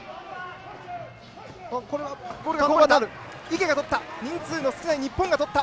池がとった。